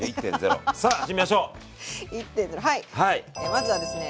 まずはですね